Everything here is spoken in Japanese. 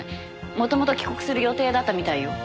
もともと帰国する予定だったみたいよ。